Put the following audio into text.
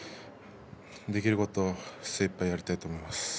できることを精いっぱいやりたいと思います。